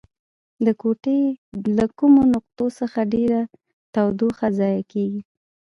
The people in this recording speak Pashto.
د کوټې له کومو نقطو څخه ډیره تودوخه ضایع کیږي؟